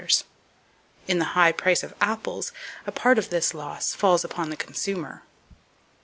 In the high price of apples, a part of this loss falls upon the consumer.